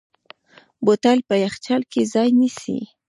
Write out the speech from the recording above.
بوتل په یخچال کې ځای نیسي.